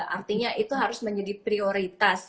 artinya itu harus menjadi prioritas